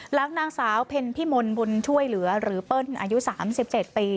หลังนางสาวเพ็ญพิมลบุญช่วยเหลือหรือเปิ้ลอายุ๓๗ปี